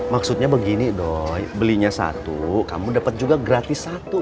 maksudnya begini dong belinya satu kamu dapat juga gratis satu